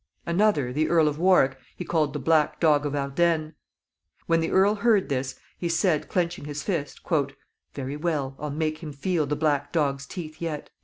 Another, the Earl of Warwick, he called the Black Dog of Ardenne. When the earl heard of this, he said, clenching his fist, "Very well; I'll make him feel the Black Dog's teeth yet."